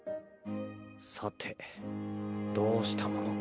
［さてどうしたものか］